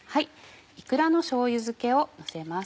イクラのしょうゆ漬けをのせます。